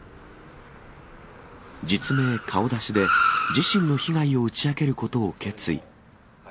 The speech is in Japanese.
実名、顔出しで自身の被害を打ち明けることを決意。